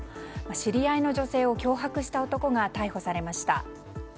知り合いの女性を脅迫した男が逮捕されました。